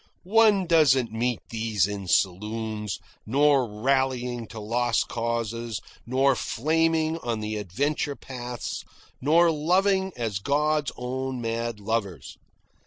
One doesn't meet these in saloons, nor rallying to lost causes, nor flaming on the adventure paths, nor loving as God's own mad lovers.